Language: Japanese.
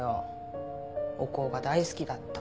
お香が大好きだった。